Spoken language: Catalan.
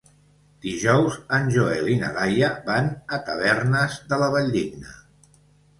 Dijous en Joel i na Laia van a Tavernes de la Valldigna.